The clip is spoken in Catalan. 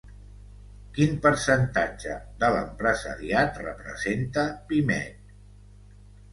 Quin percentatge de l'empresariat representa Pimec?